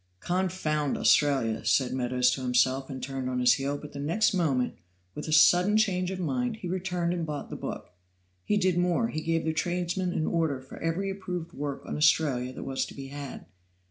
"Confound Australia!" said Meadows to himself, and turned on his heel, but the next moment, with a sudden change of mind, he returned and bought the book. He did more, he gave the tradesman an order for every approved work on Australia that was to be had.